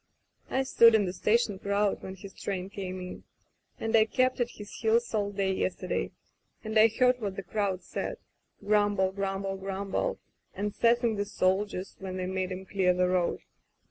"I stood in the station crowd when his train came in, and I kept at his heels all day yesterday, and I heard what the crowd said — grumble, grumble, grumble, and sassing the soldiers when they made 'em clear the road.